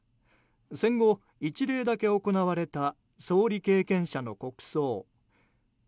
戦後、１例だけ行われた総理経験者の国葬。